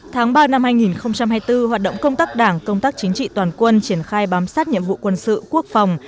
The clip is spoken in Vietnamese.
tháng ba năm hai nghìn hai mươi bốn hoạt động công tác đảng công tác chính trị toàn quân triển khai bám sát nhiệm vụ quân sự quốc phòng